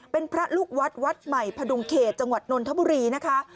เป็นพระลูกวัดวัดใหม่พดุงเขตจังหวัดนนทบุรีนะคะ